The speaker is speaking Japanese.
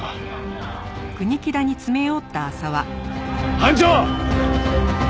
班長！